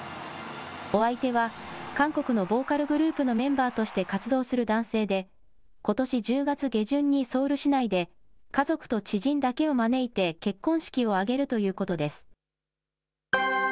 お相手は、韓国のボーカルグループのメンバーとして活動する男性で、ことし１０月下旬にソウル市内で、家族と知人だけを招いて結婚式を挙げるということです。